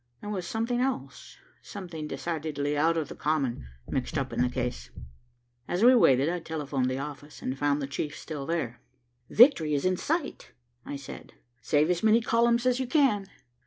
There was something else, something decidedly out of the common, mixed up in the case." As we waited, I telephoned the office, and found the chief still there. "Victory is in sight," I said. "Save as many columns as you can."